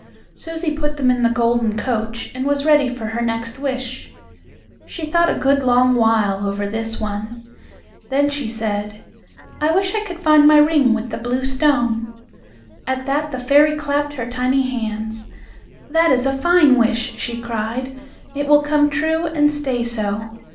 Susie put them in the golden coach, and was ready for her next wish. She thought a good long while over this one. Then she said: "I wish I could find my ring with the blue stone!" At that the fairy clapped her tiny hands. "That is a fine wish!" she cried. "It will come true, and stay so.